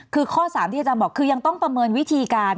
คือข้อ๓ที่อาจารย์บอกคือยังต้องประเมินวิธีการ